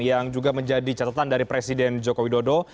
yang juga menjadi catatan dari presiden joko widodo